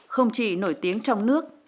không chỉ nổi tiếng trong nước